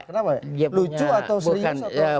kenapa ya lucu atau serius